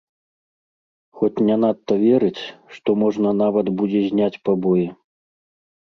Хоць не надта верыць, што можна нават будзе зняць пабоі.